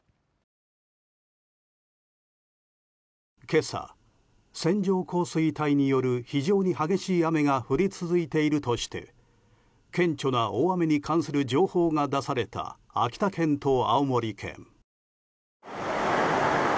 今朝、線状降水帯による非常に激しい雨が降り続いているとして顕著な大雨に関する情報が出された、秋田県と青森県。